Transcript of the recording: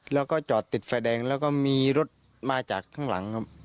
แล้วก็จอดติดไฟแดงแล้วก็มีรถมาจากข้างหลังครับ